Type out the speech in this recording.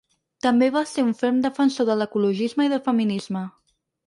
També va ser un ferm defensor de l’ecologisme i del feminisme.